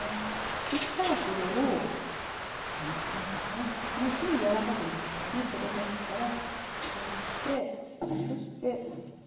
そしたらこれを中ねもうすぐ柔らかくなったらね取れますからこうしてそして。